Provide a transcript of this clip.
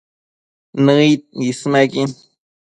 Nëid ismequin